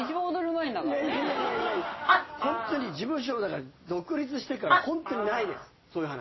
ホントに事務所独立してからホントにないですそういう話。